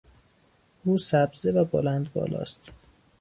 او سبزه و بلند بالاست.